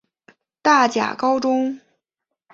大甲高中